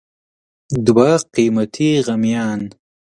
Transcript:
دوه قیمتي غمیان